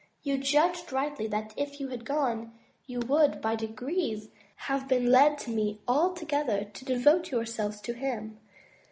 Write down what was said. You judged rightly that if you had once gone, you would by degrees 73 MY BOOK HOUSE have been led to leave me altogether to devote yourselves to him.